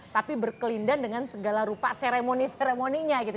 tapi berkelindan dengan segala rupa seremoni seremoninya gitu